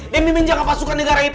demi menjaga pasukan negara itu